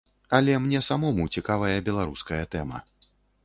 Але мне самому цікавая беларуская тэма.